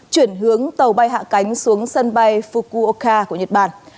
chuyển hướng tàu bay hạ cánh xuống sân bay fukuoka của nhật bản